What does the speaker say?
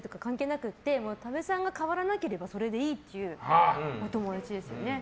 なくって多部さんが変わらなければそれでいいっていうお友達ですよね。